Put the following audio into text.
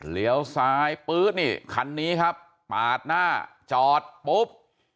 เลี้ยวซ้ายปื๊ดนี่คันนี้ครับปาดหน้าจอดปุ๊บ